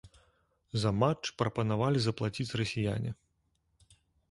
За матч прапанавалі заплаціць расіяне.